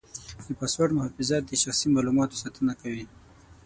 د پاسورډ محافظت د شخصي معلوماتو ساتنه کوي.